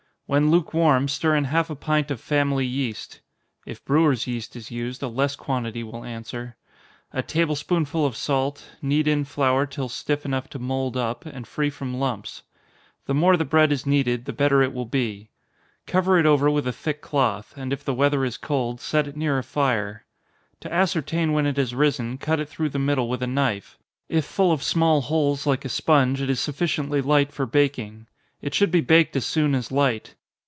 When lukewarm, stir in half a pint of family yeast, (if brewers' yeast is used, a less quantity will answer,) a table spoonful of salt, knead in flour till stiff enough to mould up, and free from lumps. The more the bread is kneaded, the better it will be. Cover it over with a thick cloth, and if the weather is cold, set it near a fire. To ascertain when it has risen, cut it through the middle with a knife if full of small holes like a sponge, it is sufficiently light for baking. It should be baked as soon as light.